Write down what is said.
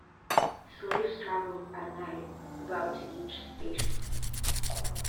Slaves traveled at night, about to each station.